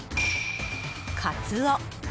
カツオ。